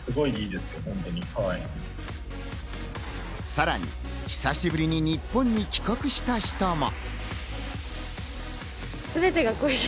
さらに久しぶりに日本に帰国した人も。